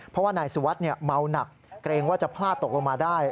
เพราะว่านายสุวัสดิ์เมาหนักเกรงว่าจะพลาดตกลงมาได้